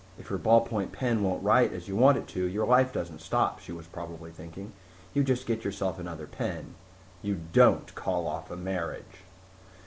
If your ballpoint pen won't write as you want it to, your life doesn't stop, she probably was thinking. You just get yourself another pen You don't call off a marriage....